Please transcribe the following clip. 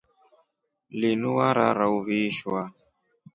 Linu warara uvishwa.